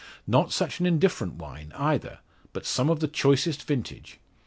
Not such an indifferent wine either, but some of the choicest vintage.